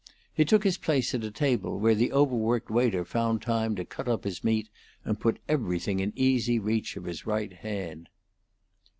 He took his place at a table where the overworked waiter found time to cut up his meat and put everything in easy reach of his right hand.